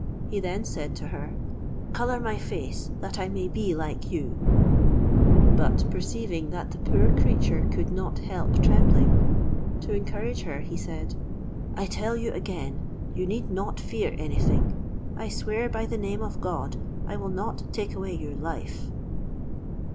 He then said to her, "Colour my face, that I may be like you;" but perceiving that the poor creature could not help trembling, to encourage her he said, "I tell you again you need not fear anything: I swear by the name of God I will not take away your life."